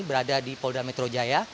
berada di polda metro jaya